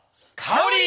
香り？